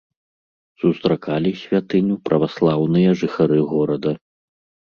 Сустракалі святыню праваслаўныя жыхары горада.